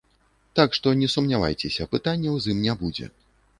Так што не сумнявайцеся, пытанняў з ім не будзе.